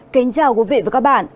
kính chào quý vị và các bạn